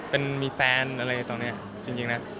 เป็นมีแฟนอะไรแบบเนี่ยจริงนะ